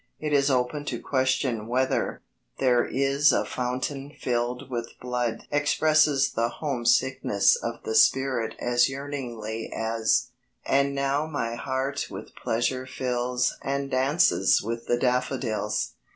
It is open to question whether There is a fountain filled with blood expresses the home sickness of the spirit as yearningly as And now my heart with pleasure fills And dances with the daffodils.